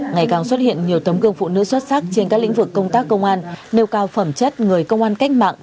ngày càng xuất hiện nhiều tấm gương phụ nữ xuất sắc trên các lĩnh vực công tác công an nêu cao phẩm chất người công an cách mạng